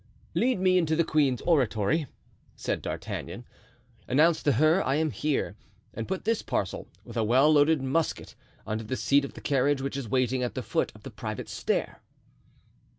"Lead me into the queen's oratory," said D'Artagnan, "announce to her I am here, and put this parcel, with a well loaded musket, under the seat of the carriage which is waiting at the foot of the private stair."